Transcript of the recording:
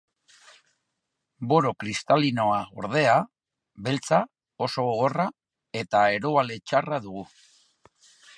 Boro kristalinoa, ordea, beltza, oso gogorra eta eroale txarra dugu.